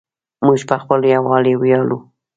موږ په خپل یووالي ویاړو.